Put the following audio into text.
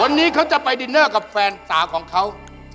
วันนี้เขาจะไปดินเนอร์กับแฟนสาวของเขา